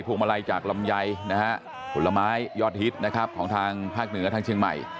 โผล่งมาลัยจากลำใยหุ่นลำไม้ยอดฮิตของทางภาคเหนือทางเชียงใหม่